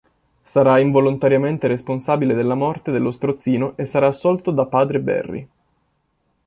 Sarà involontariamente responsabile della morte dello strozzino e sarà assolto da padre Barry.